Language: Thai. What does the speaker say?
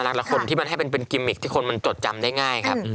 ละคนที่มันให้เป็นกิมมิกที่คนมันจดจำได้ง่ายครับ